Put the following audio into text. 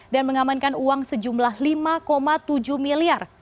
dan mengamankan uang sejumlah lima tujuh miliar